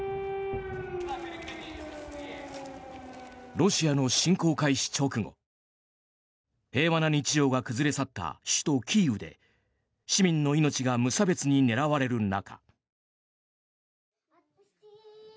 ロシアの侵攻開始直後平和な日常が崩れ去った首都キーウで市民の命が無差別に狙われる中。